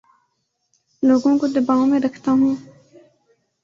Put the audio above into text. لوگوں کو دباو میں رکھتا ہوں